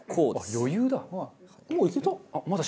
余裕だ！